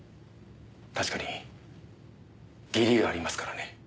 確かに義理がありますからね。